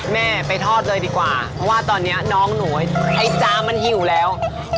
แม่ไปทอดเลยดีกว่าเพราะว่าตอนนี้น้องหนูไอ้จานมันหิวแล้ว